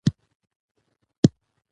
زغال د افغانستان د طبیعي پدیدو یو رنګ دی.